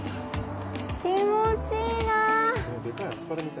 気持ちいいなぁ！